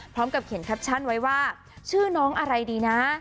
พร้อมกับเขียนแคปชั่นไว้ว่าชื่อน้องอะไรดีนะ